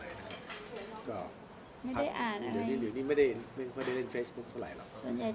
อยู่นี้ไม่ได้เล่นเฟซบุ๊คเท่าไรหรอก